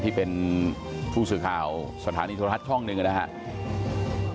ที่เป็นผู้สื่อข่าวสถานีโทรทัศน์ช่องหนึ่งนะครับ